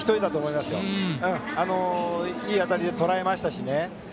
いい当たり、とらえましたし。